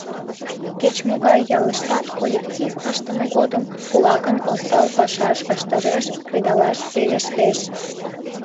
Кеч-могай ялыштат коллектив ыштыме годым кулакын осал пашаж ваштареш кредалаш верештеш.